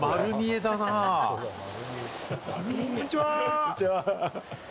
こんにちは。